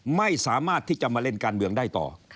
ไม่สามารถที่จะมาเล่นการเมืองได้ต่อ